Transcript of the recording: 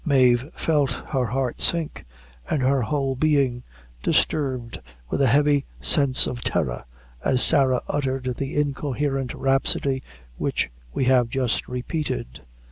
Mave felt her heart sink, and her whole being disturbed with a heavy sense of terror, as Sarah uttered the incoherent rhapsody which we have just repeated.